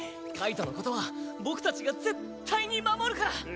介人のことは僕たちが絶対に守るから！